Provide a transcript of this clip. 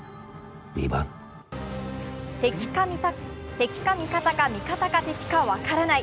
敵か味方か、味方か敵か分からない。